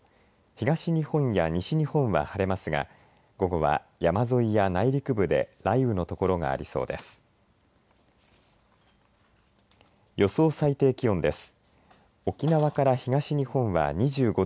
東日本や西日本は晴れますが午後は、山沿いや内陸部で雷雨の所がありそうです。